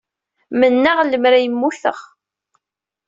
Mennaɣ lemmer d ay mmuteɣ.